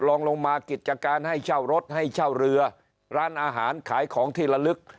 ลองลงมากิจการให้เช่ารถให้เช่าเรือร้านอาหารขายของที่ละลึก